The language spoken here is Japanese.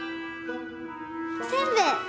せんべい！